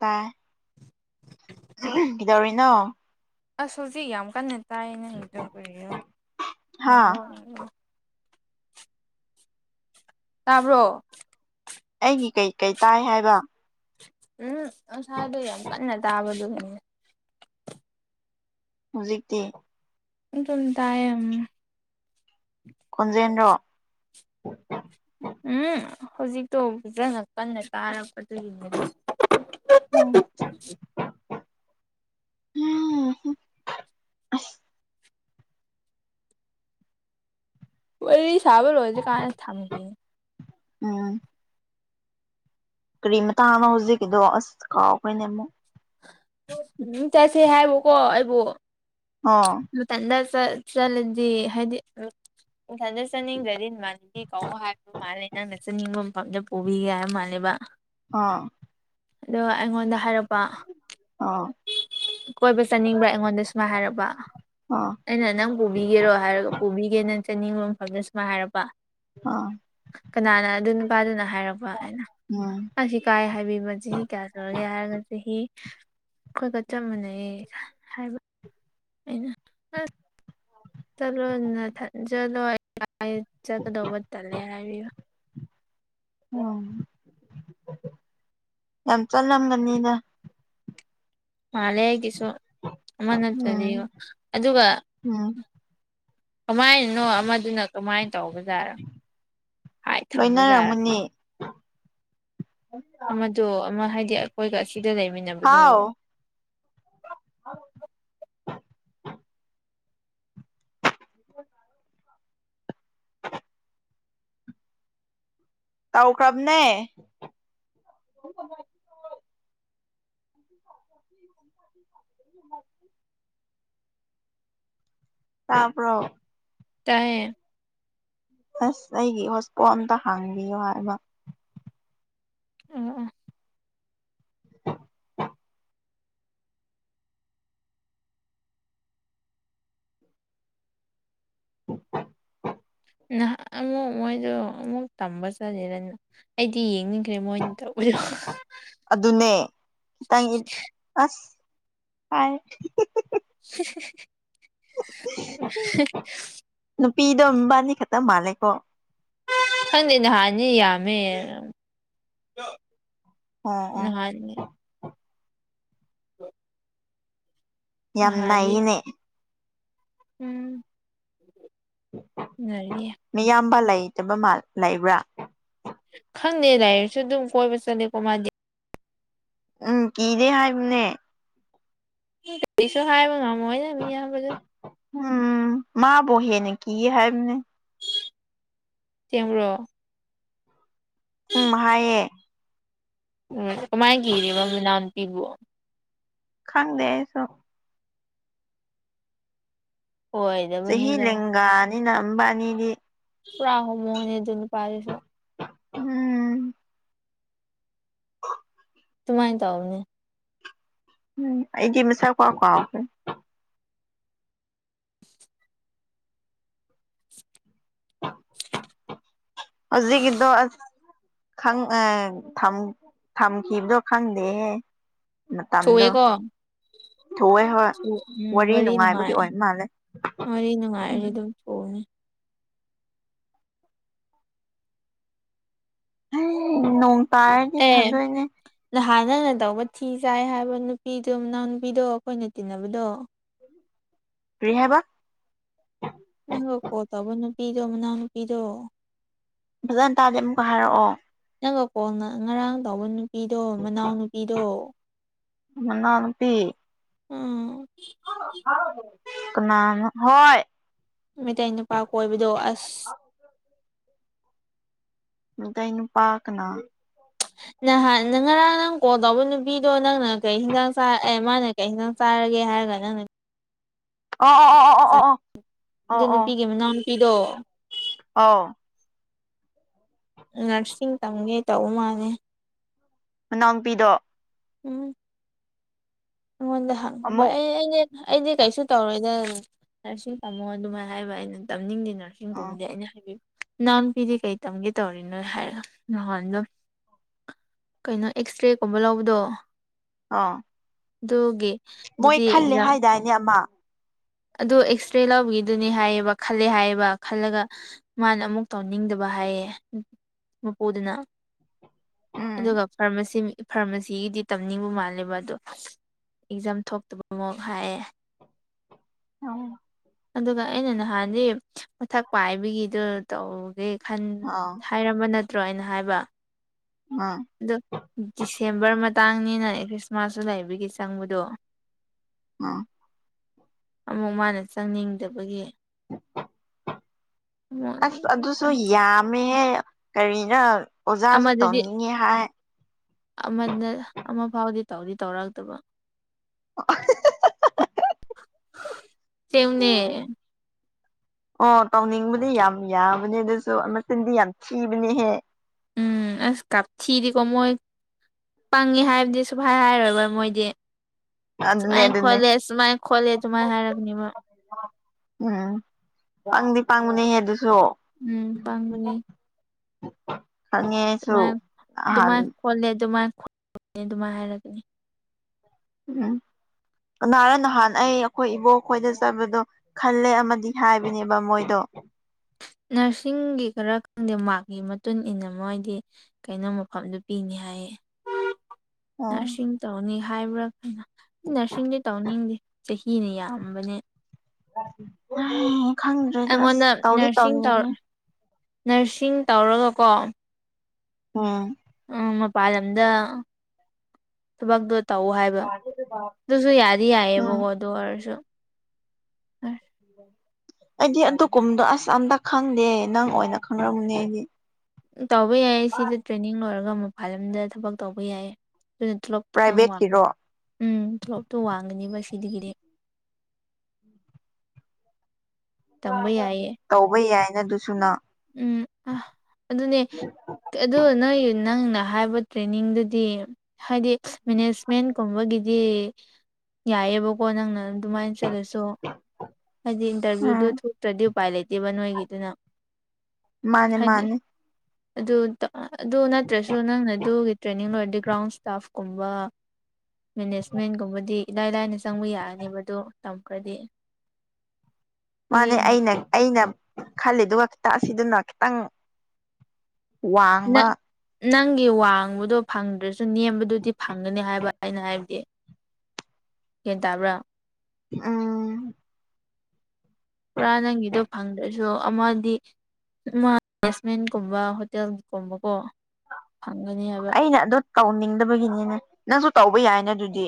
ꯇꯥꯏ ꯀꯩꯗꯧꯔꯤꯅꯣ ꯑꯁ ꯍꯨꯖꯤꯛ ꯌꯥꯝ ꯀꯟꯅ ꯇꯥꯏ ꯅꯪꯒꯤ ꯗꯣ ꯀꯔꯤꯔꯣ ꯍꯥ ꯅꯦꯋꯥꯛꯅꯦ ꯇꯥꯕ꯭ꯔꯣ ꯑꯩꯒꯤ ꯀꯩꯀꯩ ꯇꯥꯏ ꯍꯥꯏꯕ ꯎꯝ ꯉꯁꯥꯏꯗꯣ ꯌꯥꯝ ꯀꯟꯅ ꯇꯥꯕꯗꯨꯒꯤꯅꯦ ꯍꯨꯖꯤꯛꯇꯤ ꯑꯗꯨꯝ ꯇꯥꯏꯌꯦ ꯎꯝ ꯈꯣꯟꯖꯦꯟꯔꯣ ꯎꯝ ꯍꯧꯖꯤꯛꯇꯣ ꯐꯖꯅ ꯀꯟꯅ ꯇꯥꯔꯛꯄꯗꯨꯒꯤꯅꯦ [unintelligible] [unintelligible] ꯋꯥꯔꯤ ꯁꯥꯕ ꯂꯣꯏꯗꯔ꯭ꯤꯀꯥꯟ ꯊꯝꯒꯤꯅꯤ ꯎꯝ ꯀꯔꯤ ꯃꯇꯥꯡꯅꯣ ꯍꯧꯖꯤꯛꯀꯤꯗꯣ ꯑꯁ ꯀꯥꯎꯒꯔ꯭ꯦꯅꯦ ꯑꯃꯨꯛ ꯎꯝ ꯆꯁꯦ ꯍꯥꯏꯕꯨꯀꯣ ꯑꯩꯕꯨ ꯑꯣ ꯃꯊꯟꯗ ꯆꯠ ꯆꯠꯂꯗꯤ ꯍꯥꯏꯗꯤ ꯃꯊꯟꯗ ꯆꯠꯅꯤꯡꯗ꯭ꯔꯗꯤ ꯏꯃꯥꯟꯅꯕꯤ ꯀꯧꯑꯣ ꯍꯥꯏꯕ ꯃꯥꯜꯂꯦ ꯅꯪꯅ ꯆꯅꯤꯡꯕ ꯃꯐꯝꯗ ꯄꯨꯕꯤꯒꯦ ꯍꯥꯏꯕ ꯃꯥꯜꯂꯦꯕ ꯑꯥ ꯑꯗꯣ ꯑꯩꯉꯣꯟꯗ ꯍꯥꯏꯔꯛꯄ ꯑꯥ ꯀꯣꯏꯕ ꯆꯠꯅꯤꯡꯕ꯭ꯔꯥ ꯑꯩꯉꯣꯟꯗ ꯁꯨꯃꯥꯏ ꯍꯥꯏꯔꯛꯕ ꯑꯣ ꯑꯩꯅ ꯅꯪ ꯄꯨꯕꯤꯒꯦꯔꯣ ꯍꯥꯏꯔꯒ ꯄꯨꯕꯤꯒꯦ ꯅꯪ ꯆꯠꯅꯤꯡꯕ ꯃꯐꯝꯗ ꯁꯨꯃꯥꯏ ꯍꯥꯏꯔꯛꯄ ꯑꯥ ꯀꯅꯥꯅ ꯑꯗꯨ ꯅꯨꯄꯥꯗꯨꯅ ꯍꯥꯏꯔꯛꯄ ꯍꯥꯏꯅ ꯎꯝ ꯑꯁꯤ ꯀꯥꯏ ꯍꯥꯏꯕꯤꯕ ꯆꯍꯤ ꯀꯌꯥ ꯁꯨꯔꯒꯦ ꯍꯥꯏꯔꯒ ꯆꯍꯤ ꯈꯣꯏꯒ ꯆꯞ ꯃꯥꯟꯅꯩꯌꯦ ꯍꯥꯏꯕ ꯑꯩꯅ ꯑ ꯆꯠꯂꯣ ꯅꯊꯠ ꯆꯠꯂꯣꯏ [unintelligible] ꯆꯠꯀꯗꯧꯕ ꯇꯜꯂꯦ ꯍꯥꯏꯕꯤꯕ ꯎꯝ ꯌꯥꯝ ꯆꯠꯂꯝꯒꯅꯤꯗ ꯃꯥꯜꯂꯦ ꯑꯩꯒꯤꯁꯨ ꯑꯃ ꯎꯝ ꯅꯠꯇꯗꯤꯌꯣ ꯑꯗꯨꯒ ꯎꯝ ꯀꯃꯥꯏꯅꯅꯣ ꯑꯃꯗꯨꯅ ꯀꯃꯥꯏꯟ ꯇꯧꯕꯖꯥꯔ ꯍꯥꯏꯠ ꯊꯝꯕ ꯖꯥꯔ ꯂꯣꯏꯅꯔꯝꯒꯅꯤ ꯑꯃꯗꯣ ꯑꯃ ꯍꯥꯏꯗꯤ ꯑꯩꯈꯣꯏꯒ ꯑꯁꯤꯗ ꯂꯩꯃꯤꯟꯅꯕꯗꯣ ꯑ [inaudible] [inaudible] ꯇꯥꯎꯈ꯭ꯔꯥꯕꯅꯦ [inaudible] ꯇꯥꯕ꯭ꯔꯣ ꯇꯥꯏꯌꯦ ꯑꯁ ꯑꯩꯒꯤ ꯍꯣꯁꯄꯣꯜ ꯑꯝꯇ ꯍꯥꯡꯕꯤꯌꯣ ꯍꯥꯏꯕ ꯎꯝ ꯎꯝ ꯅꯍꯥꯛ ꯑꯃꯨꯛ ꯃꯣꯏꯗꯣ ꯑꯃꯨꯛ ꯇꯝꯕ ꯆꯠꯂꯦꯗꯅ ꯑꯩꯗꯤ ꯌꯦꯡꯅꯤꯡꯗꯦ [unintelligible] ꯃꯣꯏ ꯇꯧꯕꯤꯔꯣ ꯑꯗꯨꯅꯦ ꯍꯥꯢ [inaudible] ꯅꯨꯄꯤꯗꯣ ꯃꯕꯥꯅꯤ ꯈꯛꯇ ꯃꯥꯜꯂꯦꯀꯣ ꯈꯪꯗꯦ ꯅꯍꯥꯟꯗꯤ ꯌꯥꯝꯃꯦ ꯑꯣ ꯑꯣ ꯅꯍꯥꯟ ꯍ [inaudible] ꯌꯥꯝ ꯅꯩꯌꯦꯅꯦ ꯎꯝ ꯉꯥꯜꯂꯤꯌꯦ ꯃꯌꯥꯝꯕ ꯂꯩꯇꯕ ꯃꯥꯜ ꯂꯩꯇꯕ꯭ꯔꯥ ꯈꯪꯗꯦ ꯂꯩꯔꯁꯨ ꯑꯗꯨꯝ ꯀꯣꯏꯕ ꯆꯠꯂꯦꯀꯣ ꯃꯥꯗꯤ ꯎꯝ ꯀꯤꯗꯦ ꯍꯥꯏꯕꯅꯦ ꯀꯔꯤꯁꯨ ꯍꯥꯏꯕ ꯉꯝꯃꯣꯏꯅꯦ ꯃꯌꯥꯝꯕꯗꯨ ꯎꯝ ꯃꯥꯕꯨ ꯍꯦꯟꯅ ꯀꯤꯌꯦ ꯍꯥꯏꯕꯅꯦ ꯆꯦꯡꯕ꯭ꯔꯣ ꯎꯝ ꯍꯥꯏꯌꯦ ꯎꯝ ꯀꯃꯥꯏꯅ ꯀꯤꯔꯤꯕ ꯃꯅꯥꯎ ꯅꯨꯄꯤꯕꯨ ꯈꯪꯗꯦ ꯑꯩꯁꯨ ꯍꯣꯏ ꯆꯍꯤ ꯂꯦꯟꯒꯥꯅꯤꯅ ꯃꯕꯥꯅꯤꯗꯤ [unintelligible] ꯑꯗꯨ ꯄꯥꯁ [unintelligible] ꯎꯝ ꯑꯗꯨꯃꯥꯏꯅ ꯇꯧꯕꯅꯦ ꯎꯝ ꯑꯩꯗꯤ ꯃꯁꯥꯛꯐꯥꯎ ꯀꯥꯎꯈ꯭ꯔꯦ ꯍꯧꯖꯤꯛ ꯀꯤꯗꯣ ꯑꯥ ꯊꯝꯈꯤꯕꯗꯣ ꯈꯪꯗꯦꯍꯦ ꯃꯇꯥꯝꯗꯣ ꯊꯨꯑꯦꯀꯣ ꯊꯣꯛꯑꯦ ꯍꯣꯏ ꯎꯝ ꯋꯥꯔꯤ ꯅꯨꯡꯉꯥꯏꯕꯒꯤ ꯅꯨꯡꯉꯥꯏ ꯑꯣꯏ ꯃꯥꯜꯂꯦ ꯎꯝ ꯍ [unintelligible] ꯑꯦ ꯅꯣꯡ ꯇꯥꯔꯗꯤ ꯑꯦ ꯐꯗꯣꯏꯅꯦ ꯅꯍꯥꯟ ꯅꯪꯅ ꯇꯧꯕ ꯊꯤ ꯆꯥꯏ ꯍꯥꯏꯕ ꯅꯨꯄꯤꯗꯣ ꯃꯅꯥꯎꯅꯨꯄꯤꯗꯣ ꯑꯩꯈꯣꯏꯅ ꯇꯤꯟꯅꯕꯗꯣ ꯀꯔꯤ ꯍꯥꯏꯕ ꯅꯪꯒ ꯀꯣꯜ ꯇꯧꯕ ꯅꯨꯄꯤꯗꯣ ꯃꯅꯥꯎꯅꯨꯄꯤꯗꯣ ꯐꯖꯅ ꯇꯥꯗꯦ ꯑꯃꯨꯛꯀ ꯍꯥꯏꯔꯛꯑꯣ ꯅꯪꯒ ꯀꯣꯜ ꯉꯔꯥꯡ ꯇꯥꯎꯕ ꯅꯨꯄꯤꯗꯣ ꯃꯅꯥꯎ ꯅꯨꯄꯤꯗꯣ ꯃꯅꯥꯎꯅꯨꯄꯤ ꯎꯝ ꯀꯅꯥꯔ ꯍꯣꯏ ꯃꯩꯇꯩ ꯅꯨꯄꯥ ꯀꯣꯏꯕꯗꯣ ꯑꯁ ꯃꯩꯇꯩ ꯅꯨꯄꯥ ꯀꯅꯥ ꯅꯍꯥꯟ ꯉꯔꯥꯡ ꯅꯪ ꯀꯣꯜ ꯇꯧꯕ ꯅꯨꯄꯤꯗꯣ ꯅꯪꯅ ꯀꯩ ꯍꯤꯟꯁꯥꯡ ꯆꯥꯔꯛꯑꯦ ꯃꯥꯅ ꯀꯩꯪ ꯍꯦꯟꯖꯥꯡ ꯆꯥꯔꯒꯦ ꯍꯥꯏꯔꯒ ꯅꯪꯅ ꯑꯣ ꯑꯣ ꯑꯣ ꯑꯣ ꯑꯣ ꯑꯣ ꯑꯣ ꯄꯤꯗꯣ ꯑꯥꯎ ꯅꯔꯁꯤꯡ ꯇꯝꯒꯦ ꯇꯧꯕ ꯃꯥꯜꯂꯦ ꯃꯅꯥꯎꯅꯨꯄꯤꯗꯣ ꯎꯝ ꯑꯩꯉꯣꯟꯗ ꯍꯪꯉꯕ ꯑꯃꯨꯛ ꯑꯩ ꯑꯩꯅ ꯑꯩꯗꯤ ꯀꯩꯁꯨ ꯇꯧꯔꯣꯏꯗ ꯅꯔꯁꯁꯤꯡ ꯇꯝꯃꯣ ꯑꯗꯨꯃꯥꯏꯅ ꯍꯥꯏꯕ ꯑꯩꯅ ꯇꯝꯅꯤꯡꯗꯦ ꯅꯔꯁ ꯑꯥ ꯀꯒꯨꯝꯕꯗꯤ ꯑꯩꯅ ꯍꯥꯏꯕꯤꯌꯨ ꯏꯅꯥꯎꯅꯨꯄꯤꯗꯤ ꯀꯩ ꯇꯝꯒꯦ ꯇꯧꯔꯤꯅꯣ ꯍꯥꯏꯔꯒ ꯅꯍꯥꯟ ꯑꯗꯨꯝ ꯀꯩꯅꯣ ꯑꯦꯛꯁ ꯔꯦꯒꯨꯝꯕ ꯂꯧꯕꯗꯣ ꯑꯥ ꯑꯗꯨꯒꯤ ꯑꯗꯨꯗꯤ ꯑꯦꯛꯖꯥꯝ ꯅꯤ ꯑꯃ ꯑꯗꯨ ꯑꯦꯛꯁ ꯔꯦ ꯂꯧꯕꯒꯤꯗꯨꯅꯦ ꯍꯥꯏꯌꯦꯕ ꯈꯜꯂꯦ ꯍꯥꯏꯌꯦꯕ ꯈꯜꯂꯒ ꯃꯥꯅ ꯑꯃꯨꯛ ꯇꯧꯅꯤꯡꯗꯕ ꯍꯥꯏꯌꯦ ꯃꯄꯨꯗꯨꯅ ꯎꯝ ꯑꯗꯨꯒ ꯐꯥꯔꯃꯥꯁꯤ ꯃꯤ ꯐꯥꯔꯃꯥꯁꯤꯒꯤꯗꯤ ꯇꯝꯅꯤꯡꯕ ꯃꯥꯜꯂꯦꯕ ꯑꯗꯣ ꯑꯦꯛꯖꯥꯝ ꯊꯣꯛꯇꯕ ꯃꯨꯛ ꯍꯥꯏꯌꯦ ꯑꫭ ꯑꯗꯨꯒ ꯑꯩꯅ ꯅꯍꯥꯟꯗꯤ ꯃꯊꯛ ꯄꯥꯏꯕꯒꯤꯗꯨ ꯇꯧꯒꯦ ꯈꯟ ꯑꯥ ꯍꯥꯏꯔꯝꯕ ꯅꯠꯇ꯭ꯔꯣ ꯑꯩꯅ ꯍꯥꯏꯕ ꯑ ꯑꯗꫭ ꯗꯤꯁꯦꯝꯕꯔ ꯃꯇꯥꯡꯅꯤꯅꯅꯦ ꯈ꯭ꯔꯤꯁꯃꯥꯁꯁꯨ ꯂꯩꯕꯒꯤ ꯆꯪꯕꯗꯣ ꯎꯝ ꯑꯃꯨꯛ ꯃꯥꯅ ꯆꯪꯅꯤꯡꯗꯕꯒꯤ ꯑꯁ ꯑꯃꯨꯛ ꯑꯗꯨꯁꯨ ꯌꯥꯝꯃꯦꯍꯦ ꯀꯔꯤꯅ ꯑꯣꯖꯥꯁꯨ ꯑꯃꯗꯗꯤ ꯇꯧꯅꯤꯡꯉꯦ ꯍꯥꯏ ꯑꯃꯅ ꯑꯃ ꯐꯥꯎꯗꯤ ꯇꯧꯗꯤ ꯇꯧꯔꯛꯇꯕ [unintelligible] ꯁꯦꯡꯕꯅꯦ ꯑꯣ ꯇꯧꯅꯤꯡꯕꯗꯤ ꯌꯥꯝ ꯌꯥꯕꯅꯦ ꯑꯗꯨꯁꯨ ꯃꯆꯤꯟꯗꯤ ꯌꯥꯝ ꯊꯤꯕꯅꯦꯍꯦ ꯎꯝ ꯑꯁ ꯀꯥꯞꯊꯤꯗꯤ ꯀꫭ ꯃꯣꯏ ꯄꯪꯉꯤ ꯍꯥꯏꯕꯗꯤ ꯁꯨꯞ ꯍꯥꯏ ꯍꯥꯏꯔꯣꯏꯕ ꯃꯣꯏꯗꯤ ꯑꯗꯨꯅꯦ ꯁꯨꯃꯥꯏ ꯑꯗꯨꯅꯦ ꯈꫭꯠꯂꯦ ꯁꯨꯃꯥꯏꯅ ꯈꫭꯠꯂꯦ ꯁꯨꯃꯥꯏꯅ ꯍꯥꯏꯔꯛꯅꯦꯕ ꯎꯝ ꯄꯪꯗꯤ ꯄꯪꯕꯅꯦꯍꯦ ꯑꯗꯨꯁꯨ ꯎꯝ ꯄꯥꯡꯕꯅꯦ [inaudible] ꯑꯩꯁꯨ ꯑꯗꯨꯃꯥꯏꯅ ꯅꯍꯥꯟ ꯑꯗꯨꯃꯥꯏꯅ ꯈꯣꯠꯂꯦ ꯑꯗꯨꯃꯥꯏꯅ ꯈꯣꯠꯅꯤ ꯑꯗꯨꯃꯥꯏ ꯍꯥꯏꯔꯒꯅꯤ ꯎꯝ ꯀꯅꯔ ꯅꯍꯥꯟ ꯑꯩ ꯑꯩꯈꯣꯏ ꯏꯕꯣꯛ ꯈꯣꯏꯗ ꯆꯠꯄꯗꯣ ꯈꯜꯂꯦ ꯑꯃꯗꯤ ꯍꯥꯏꯕꯅꯦꯕ ꯃꯣꯏꯗꯣ ꯅꯔꯁꯤꯡꯒꯤ ꯈꯔ ꯈꯪꯗꯦ ꯃꯥꯔꯛꯀꯤ ꯃꯇꯨꯡ ꯏꯟꯅ ꯃꯣꯏꯗꯤ ꯀꯩꯅꯣ ꯃꯐꯝꯗꯨ ꯄꯤꯅꯤ ꯍꯥꯏꯌꯦ [inaudible] ꯅꯔꯁꯤ ꯇꯧꯅꯤ ꯍꯥꯏꯕ꯭ꯔꯥ ꯀꯩꯅ ꯅꯔꯁꯤꯡꯗꯤ ꯇꯧꯅꯤꯡꯗꯦ ꯆꯍꯤꯅ ꯌꯥꯝꯕꯅꯦ ꯑ ꯈꯪ ꯑꯩꯉꯣꯟꯗ ꯅꯔꯁꯤꯡ ꯇꯧ ꯅꯔꯁꯤꯡ ꯇꯧꯔꯒꯀꯣ ꯑꯝ ꯎꯝ ꯃꯄꯥꯟꯂꯝꯗ ꯊꯕꯛꯇꯣ ꯇꯧ ꯍꯥꯏꯕ ꯑꯗꯨꯁꯨ ꯌꯥꯗꯤ ꯎꯝ ꯌꯥꯏꯑꯕꯀꯣ ꯑꯗꯨ ꯑꯣꯏꯔꯁꯨ ꯑꯩꯗꯤ ꯑꯗꯨꯒ ꯀꯨꯝꯗꯣ ꯑꯁ ꯑꯝꯇ ꯈꯪꯗꯦ ꯅꯪ ꯑꯣꯏꯅ ꯈꯪꯔꯝꯅꯤ ꯑꯩꯗꯤ ꯇꯧꯕ ꯌꯥꯏꯌꯦ ꯁꯤꯗ ꯇ꯭ꯔꯦꯅꯤꯡ ꯂꯣꯏꯔꯒ ꯃꯄꯥꯜ ꯂꯝꯗ ꯊꯕꯛ ꯇꯧꯕ ꯌꯥꯏꯌꯦ ꯑꯗꯨꯅ ꯇꯣꯂꯣꯞ ꯈꯤꯇꯪ ꯋꯥꯡꯉꯤ ꯄ꯭ꯔꯥꯏꯚꯦꯠꯀꯤꯔꯣ ꯎꯝ ꯇꯣꯂꯣꯞꯇꯣ ꯋꯥꯡꯒꯅꯤꯕ ꯁꯤꯗꯒꯤꯗꯤ ꯇꯝꯕ ꯌꯥꯏꯌꯦ [unintelligible] ꯇꯧꯕ ꯌꯥꯏꯅ ꯑꯗꯨꯁꯨ ꯅꯪ ꯎꯝ ꯑ ꯑꯗꯨꯅꯦ ꯑꯗꯨ ꯅꯣꯏ ꯅꯪꯅ ꯍꯥꯏꯕ ꯇ꯭ꯔꯦꯟꯅꯤꯡꯗꯨꯗꯤ ꯍꯥꯏꯗꯤ ꯃꯦꯅꯦꯖꯃꯦꯟ ꯀꯨꯝꯕꯒꯤꯗꯤ ꯌꯥꯏꯑꯕꯀꯣ ꯅꯪꯅ ꯑꯗꯨꯃꯥꯏꯅ ꯆꯠꯂꯁꯨ ꯍꯥꯏꯗꯤ ꯏꯟꯇꯔꯚ꯭ꯌꯨꯗꯨ ꯎꯝ ꯊꯣꯛꯇ꯭ꯔꯗꯤ ꯎꯄꯥꯏ ꯂꯩꯇꯦꯕ ꯅꯣꯏꯒꯤꯗꯨꯅ ꯃꯥꯅꯦ ꯍꯥꯏꯗꯤ ꯃꯥꯅꯦ ꯑꯗꯨ ꯑꯗꯨ ꯅꯠꯇ꯭ꯔꯁꯨ ꯅꯪꯅ ꯑꯗꯨꯒꯤ ꯇ꯭ꯔꯦꯅꯤꯡ ꯂꯣꯏꯔꯗꯤ ꯒ꯭ꯔꯥꯎꯟ ꯏ꯭ꯁꯇꯥꯐ ꯀꯨꯝꯕ ꯃꯦꯅꯦꯖꯃꯦꯟꯒꯨꯝꯕꯗꯤ ꯏꯂꯥꯏ ꯂꯥꯏꯅ ꯆꯪꯕ ꯌꯥꯔꯅꯦꯕꯗꯣ ꯇꯝꯈ꯭ꯔꯗꯤ ꯍꯥꯏꯗꯤ ꯃꯥꯅꯦ ꯑꯩꯅ ꯑꯩꯅ ꯈꯜꯂꯤꯗꯨꯒ ꯈꯤꯇ ꯑꯁꯤꯗꯨꯅ ꯈꯤꯇꯪ ꯋꯥꯡꯕꯥ ꯅꯪꯒꯤ ꯋꯥꯡꯕꯗꯣ ꯐꯪꯗ꯭ꯔꯁꯨ ꯅꯦꯝꯕꯗꯨꯗꯤ ꯐꯪꯒꯅꯤ ꯍꯥꯏꯕ ꯑꯩꯅ ꯍꯥꯏꯕꯗꯤ ꯒ꯭ꯌꯥꯟ ꯇꯥꯕ꯭ꯔꯥ ꯑꯝ ꯄꯨꯔꯥ ꯅꯪꯒꯤꯗꯣ ꯐꯪꯗ꯭ꯔꯁꯨ ꯑꯃꯗꯤ ꯑꯃꯥ ꯃꯦꯅꯦꯁꯃꯦꯟ ꯀꯨꯝꯕ ꯍꯣꯇꯦꯜꯒꯨꯝꯕꯀꯣ ꯐꯪꯒꯅꯤ ꯍꯥꯏꯕ ꯑꯩꯅ ꯑꯗꯣ ꯇꯧꯅꯤꯡꯗꯕꯒꯤꯅꯤꯅꯦ ꯅꯪꯁꯨ ꯇꯧꯕ ꯌꯥꯏꯅ ꯑꯗꯨꯗꯤ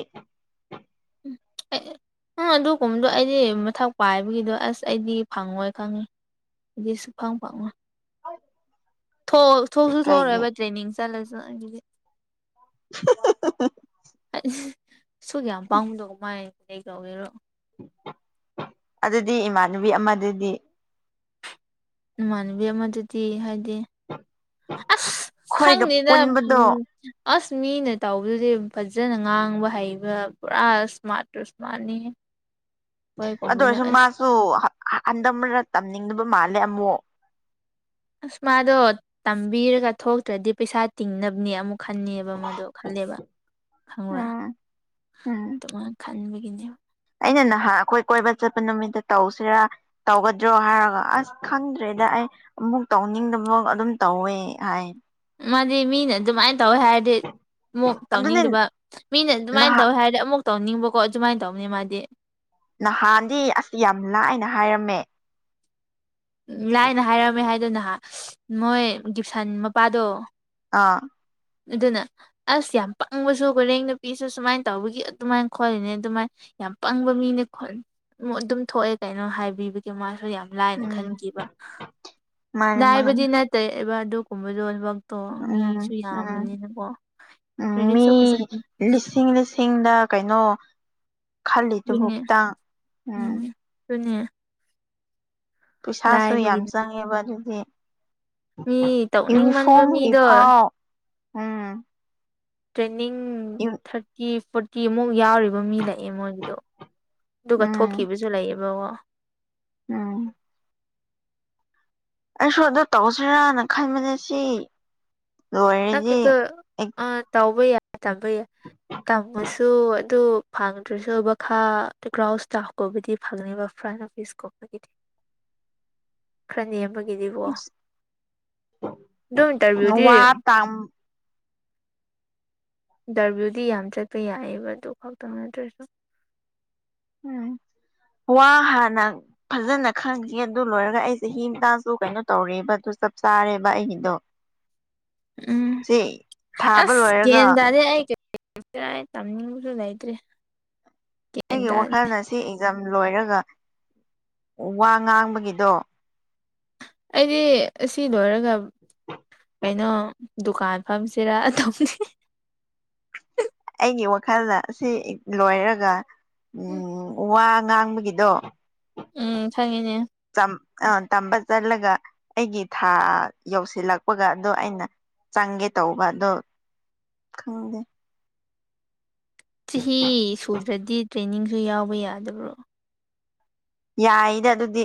ꯎꯝ ꯑꯩ ꯑꯪ ꯑꯗꯨꯒꯨꯝꯕꯗꯣ ꯑꯩꯗꯤ ꯃꯊꯛ ꯄꯥꯏꯕꯒꯤꯗꯣ ꯑꯁ ꯑꯩꯗꯤ ꯐꯪꯉꯣꯏ ꯈꯪꯉꯤ ꯑꯩꯗꯤ ꯁꯨꯡꯐꯪ ꯐꯪꯉꯣꯏ ꯊꯣꯛ ꯊꯣꯛꯁꯨ ꯀꯩꯒꯤ ꯊꯣꯛꯔꯣꯏꯕ ꯇ꯭ꯔꯦꯅꯤꯡ ꯆꯠꯂꯁꯨ ꯑꯗꯨꯗꯤ [unintelligible] ꯁꯨ ꯀꯌꯥꯝ ꯄꯥꯝꯗꯧ ꯃꯥꯥꯏ ꯀꯩ ꯀꯧꯒꯦꯔꯣ ꯑꯗꯨꯗꯤ ꯏꯃꯥꯟꯅꯕꯤ ꯑꯃ ꯑꯗꯨꯗꯤ ꯏꯃꯥꯟꯅꯕꯤ ꯑꯃꯗꯨꯗꯤ ꯍꯥꯏꯗꯤ ꯑꯁ ꯈꯣꯏꯒ ꯈꯪꯗꯦꯗꯥ ꯄꯨꯟꯕꯗꯣ ꯑꯁ ꯃꯤꯅ ꯇꯧꯕꯗꯨꯗꯤ ꯐꯖꯅ ꯉꯥꯡꯕ ꯍꯩꯕ ꯄꯨꯔꯥ ꯏ꯭ꯁꯃꯥꯔ꯭ꯠꯇ ꯏ꯭ꯁꯃꯥꯔ꯭ꯠꯅꯤꯍꯦ ꯑꯗꯨ ꯑꯣꯏꯔꯁꯨ ꯃꯥꯁꯨ ꯍꯟꯗꯛ ꯃꯔꯛ ꯇꯝꯅꯤꯡꯗꯕ ꯃꯥꯜꯂꯦ ꯑꯃꯨꯛ ꯑꯁ ꯃꯥꯗꯣ ꯇꯝꯕꯤꯔꯒ ꯊꯣꯛꯇ꯭ꯔꯗꯤ ꯄꯩꯁꯥ ꯇꯤꯡꯅꯕꯅꯦ ꯑꯃꯨꯛ ꯈꯟꯅꯤꯕ ꯃꯗꯣ ꯈꯜꯂꯦꯕ ꯈꯪꯕ꯭ꯔꯥ ꯎꯝ ꯎꯝ ꯗꯨꯃꯥ꯭ꯏꯟ ꯈꯟꯕꯒꯤꯅꯦꯕꯥ ꯑꯩꯅ ꯅꯍꯥꯟ ꯑꯩꯈꯣꯏ ꯀꯣꯏꯕ ꯆꯠꯄ ꯅꯨꯃꯤꯠꯇ ꯇꯧꯁꯤꯔꯥ ꯇꯧꯒꯗ꯭ꯔꯣ ꯍꯥꯏꯔꯒ ꯑꯁ ꯈꯪꯗ꯭ꯔꯦꯗ ꯑꯩ ꯑꯃꯨꯛ ꯇꯧꯅꯤꯡꯗꯕ ꯑꯗꯨꯝ ꯇꯧꯋꯦ ꯍꯥꯏ ꯃꯥꯗꯤ ꯃꯤꯅ ꯑꯗꯨꯃꯥꯏꯅ ꯇꯧꯋꯦ ꯍꯥꯏ ꯗꯤ ꯑꯃꯨꯛ ꯑꯗꯨꯅꯦ ꯇꯧꯅꯤꯡꯗꯕ ꯃꯤꯅ ꯑꯗꯨꯃꯥꯏꯅ ꯅꯍꯥꯟ ꯇꯧꯋꯦ ꯍꯥꯏꯔꯗꯤ ꯑꯃꯨꯛ ꯇꯧꯅꯤꯡꯕꯀꯣ ꯑꯗꯨꯃꯥꯏꯅ ꯇꯧꯕꯅꯤ ꯃꯥꯗꯤ ꯅꯍꯥꯟꯗꯤ ꯑꯁ ꯌꯥꯝ ꯂꯥꯏꯅ ꯍꯥꯏꯔꯝꯃꯦ ꯎꯝ ꯂꯥꯏꯅ ꯍꯥꯏꯔꯝꯃꯦ ꯍꯥꯏꯗꯅ ꯍꯥꯟ ꯃꯣꯏ ꯒꯤꯞꯁꯟ ꯃꯄꯥꯗꯣ ꯑꯥ ꯑꯗꯨꯅ ꯑꯁ ꯌꯥꯝ ꯄꯪꯕꯁꯨ ꯍꯣꯔꯦꯟ ꯅꯨꯄꯤꯁꯨ ꯁꯨꯃꯥꯏꯅ ꯇꯧꯕꯒꯤ ꯑꯗꯨꯃꯥꯏꯅ ꯈꯣꯂꯤꯅꯦ ꯑꯗꯨꯃꯥꯏ ꯌꯥꯝ ꯄꯪꯕ ꯃꯤꯅꯦ ꯈꯣꯟ ꯑꯗꯨꯝ ꯊꯣꯛꯑꯦ ꯀꯩꯅꯣ ꯍꯥꯏꯕꯤꯕꯒꯤ ꯃꯥꯁꯨ ꯌꯥꯝ ꯂꯥꯏ ꯎꯝ ꯈꯟꯈꯤꯕ ꯃꯥꯅꯦ ꯃꯥꯅꯦ ꯂꯥꯏꯕꯗꯤ ꯅꯠꯇꯦꯕ ꯑꯗꯨꯒꯨꯝꯕꯗꯣ [unintelligible] ꯇꯣ ꯎꯝ ꯃꯤꯁꯨ ꯎꯝ ꯌꯥꯝꯕꯅꯤꯅꯀꯣ ꯎꯝ [unintelligible] ꯃꯤ ꯐꯖꯅ ꯂꯤꯁꯤꯡ ꯂꯤꯁꯤꯡꯗ ꯀꯩꯅꯣ ꯈꯜꯂꯤꯗꯨꯕꯨ ꯑꯗꯨꯅꯦ ꯈꯤꯇꯪ ꯎꯝ ꯑꯗꯨꯅꯦ ꯄꯩꯁꯥꯁꯨ ꯌꯥꯝ ꯂꯥꯏꯕꯒꯤꯗꯤ ꯆꯪꯉꯦꯕ ꯑꯗꯨꯒꯤ ꯃꯤ ꯇꯧꯅꯤꯡꯃꯟꯕ ꯃꯤꯗꯣ ꯌꯨꯅꯤꯐ꯭ꯔꯣꯝꯒꯤꯐꯥꯎ ꯎꯝ ꯇ꯭ꯔꯦꯅꯤꯡ ꯊꯥꯔꯇꯤ ꯐ꯭ꯔꯣꯠ ꯇꯤ ꯑꯃꯨꯛ ꯌꯥꯎꯔꯤꯕ ꯃꯤ ꯂꯩꯑꯦ ꯃꯣꯏꯒꯤꯗꯣ ꯑꯗꯨꯒ ꯎꯝ ꯊꯣꯛꯈꯤꯕꯁꯨ ꯂꯩꯌꯦꯕꯀꯣ ꯎꯝ ꯑꯩꯁꯨ ꯑꯗꯨ ꯇꯧꯁꯤꯔꯥꯅ ꯈꯟꯕꯅꯦ ꯁꯤ ꯂꯣꯏꯔꯗꯤ ꯅꯪꯒꯤꯗꯣ ꯑ ꯇꯧꯕ ꯌꯥꯗꯕꯩ ꯇꯝꯃꯁꯨ ꯑꯗꯨ ꯐꯪꯗ꯭ꯔꯁꯨ ꯃꯈꯥ [unintelligible] [inaudible] ꯈꯔ ꯅꯦꯝꯕꯒꯤꯗꯤꯕꯣ ꯑꯗꯨꯝ ꯏꯟꯇꯔꯚꯤꯌꯨꯗꯤ ꯑꯝ ꯏꯟꯗꯔꯚ꯭ꯌꯨꯗꯤ ꯌꯥꯝ ꯆꯠꯄ ꯌꯥꯏꯑꯦꯕ ꯑꯗꯨ ꯈꯛꯇꯪ ꯅꯠꯇ꯭ꯔꯁꯨ ꯎꯝ ꯋꯥ ꯍꯥꯟꯅ ꯐꯖꯅ ꯈꯪꯈꯤꯒꯦ ꯑꯗꯨ ꯂꯣꯏꯔꯒ ꯑꯩ ꯆꯍꯤ [unintelligible] ꯀꯩꯅꯣ ꯇꯧꯔꯦꯕ ꯑꯗꯨ ꯆꯞ ꯆꯥꯔꯦꯕ ꯑꯩꯒꯤꯗꯣ [inaudible] ꯎꯝ ꯁꯤ ꯊꯥꯕ ꯑꯁ ꯂꯣꯏꯔꯒ ꯒ꯭ꯌꯥꯟ ꯇꯥꯗꯦ ꯑꯩ [unintelligible] ꯇꯝꯅꯤꯡꯕꯁꯨ ꯂꯩꯇ꯭ꯔꯦ ꯒ꯭ꯌꯥꯟ ꯑꯩꯒꯤ ꯇꯥꯗꯦ ꯋꯥꯈꯜꯅ ꯁꯤ ꯑꯦꯛꯖꯥꯝ ꯂꯣꯏꯔꯒ ꯋꯥ ꯉꯥꯡꯕꯒꯤꯗꯣ ꯑꯩꯗꯤ ꯑꯁꯤ ꯂꯣꯏꯔꯒ ꯀꯩꯅꯣ ꯗꯨꯀꯥꯟ ꯐꯝꯁꯤꯔꯥ ꯇꯧꯕꯅꯤ ꯑꯩꯒꯤ ꯋꯥꯈꯜꯅ ꯁꯤ ꯂꯣꯏꯔꯒ ꯎꯝ ꯋꯥ ꯉꯥꯡꯕꯒꯤꯗꯣ ꯎꯝ ꯈꯪꯉꯤꯅꯦ ꯆꯝ ꯑ ꯇꯝꯕ ꯆꯠꯂꯒ ꯑꯩꯒꯤ ꯊꯥ ꯌꯧꯁꯤꯜꯂꯛꯄꯒꯗꯣ ꯑꯩꯅ ꯆꯪꯒꯦ ꯇꯧꯕ ꯑꯗꯣ ꯈꯪꯗꯦ ꯆꯍꯤ ꯁꯨꯗ꯭ꯔꯗꯤ ꯇ꯭ꯔꯦꯅꯤꯡꯁꯨ ꯌꯥꯎꯕ ꯌꯥꯗꯕ꯭ꯔꯣ ꯌꯥꯏꯗ ꯑꯗꯨꯗꯤ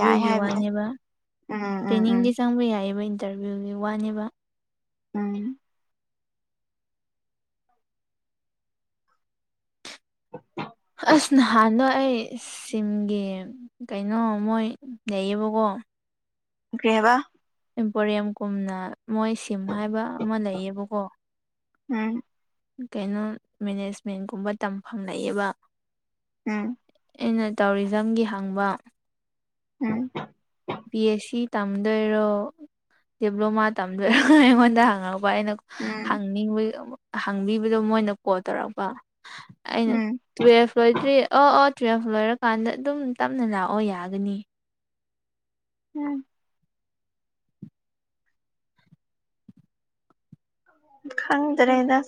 ꯌꯥꯏ ꯍꯥꯏꯕꯅꯦ ꯋꯥꯅꯦꯕ ꯎꯝ ꯎꯝ ꯎꯝ ꯇ꯭ꯔꯦꯅꯤꯡꯗꯤ ꯆꯪꯕ ꯌꯥꯏꯌꯦꯕ ꯏꯟꯇꯔꯚꯤꯌꯨꯒꯤ ꯋꯥꯅꯦꯕ ꯎꯝ [inaudible] ꯑꯁ ꯅꯍꯥꯟꯗꯣ ꯑꯩ ꯁꯤꯝꯒꯤ ꯀꯩꯅꯣ ꯃꯣꯏ ꯂꯩꯌꯦꯕꯀꯣ ꯀꯩ ꯍꯥꯏꯕꯥ ꯏꯟꯄꯣꯔꯦꯝ ꯀꯨꯝꯅ ꯃꯣꯏ ꯁꯤꯝ ꯍꯥꯏꯕ ꯑꯃ ꯂꯩꯌꯦꯕꯀꯣ ꯎꯝ ꯀꯩꯅꯣ ꯃꯦꯅꯦꯖꯃꯦꯟꯒꯨꯝꯕ ꯇꯝꯐꯝ ꯂꯩꯌꯦꯕ ꯎꯝ ꯑꯩꯅ ꯇꯧꯔꯤꯖꯝꯒꯤ ꯍꯪꯕ ꯎꯝ ꯕꯤ ꯑꯦꯁ ꯁꯤ ꯇꯝꯗꯣꯏꯔꯣ ꯗꯤꯄ꯭ꯂꯣꯃꯥ ꯇꯝꯗꯣꯏꯔꯣꯅ ꯑꯩꯉꯣꯟꯗ ꯍꯪꯉꯛꯄ ꯑꯩꯅ ꯎꯝ ꯍꯪꯅꯤꯡꯕꯩ ꯑꯃꯨꯛ ꯍꯪꯕꯤꯕꯗꯣ ꯃꯣꯏꯅ ꯀꯣꯜ ꯇꯧꯔꯛꯄ ꯑꯩꯅ ꯎꯝ ꯇꯨꯌꯦꯜꯐ ꯂꯣꯏꯗ꯭ꯔꯤ ꯑꯣ ꯑꯣ ꯇꯨꯌꯦꯜꯐ ꯂꯣꯏꯔꯀꯥꯟꯗ ꯑꯗꯨꯝ ꯇꯞꯅ ꯂꯥꯛꯑꯣ ꯌꯥꯒꯅꯤ ꯎꯝ ꯈꯪꯗ꯭ꯔꯦꯗ